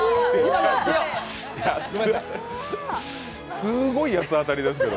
すごい八つ当たりですけど。